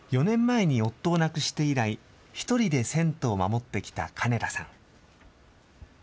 ４年前に夫を亡くして以来、１人で銭湯を守ってきた金田さん。